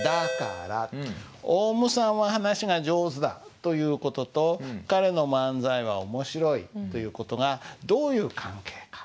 「オウムさんは話が上手だ」という事と「彼の漫才は面白い」という事がどういう関係か。